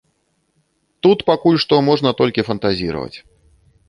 Тут пакуль што можна толькі фантазіраваць.